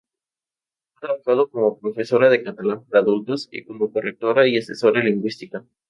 Ha trabajado como profesora de catalán para adultos y como correctora y asesora lingüística.